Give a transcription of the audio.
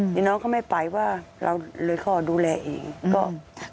เดี๋ยวน้องก็ไม่ไปว่าเราเลยขอดูแลเองก็